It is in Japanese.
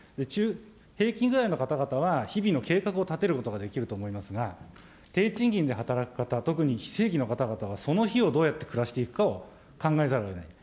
平均ぐらいの方々は日々の計画を立てることができると思いますが、低賃金で働く方、特に非正規の方々はその日をどうやって暮らしていくかを考えざるをえない。